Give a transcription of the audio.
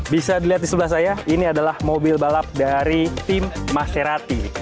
bisa dilihat di sebelah saya ini adalah mobil balap dari tim maserati